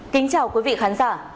kính chào quý vị khán giả